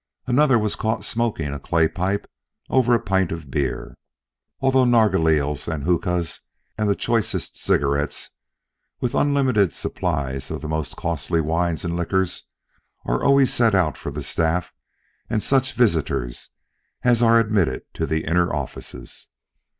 Another was caught smoking a clay pipe over a pint of beer, although narghilés and hookahs and the choicest cigarettes, with unlimited supplies of the most costly wines and liqueurs, are always set out for the staff and such visitors as are admitted to the inner offices.